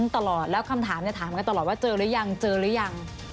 ตลอดแล้วคำถามถามกันตลอดว่าเจอหรือยังเจอหรือยัง